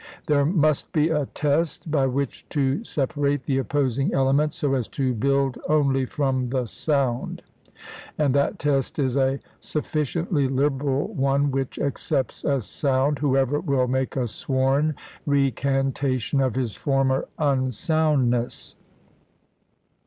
There must be a test by which to separate the opposing elements, so as to build only from the sound ; and that test is a sufficiently liberal one which accepts as sound whoever will make a sworn recantation Lincoln, of his former unsoundness."